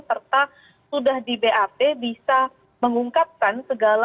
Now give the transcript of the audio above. serta sudah di bap bisa mengungkapkan segala